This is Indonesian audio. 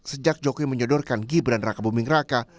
sejak jokowi menyodorkan gibran raka buming raka